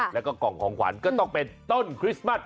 แล้วก็กล่องของขวัญก็ต้องเป็นต้นคริสต์มัส